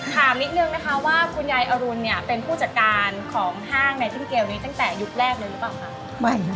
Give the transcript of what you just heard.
ถามนิดนึงนะคะว่าคุณยายอรุณเนี่ย